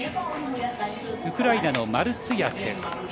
ウクライナのマルスヤク。